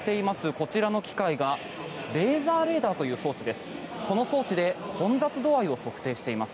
こちらの機械がレーザーレーダーという装置です。